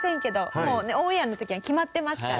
もうねオンエアの時は決まってますから。